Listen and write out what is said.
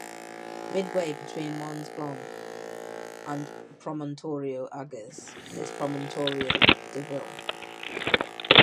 Midway between Mons Blanc and Promontorium Agassiz is Promontorium Deville.